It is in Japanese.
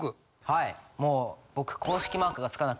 はいもう僕。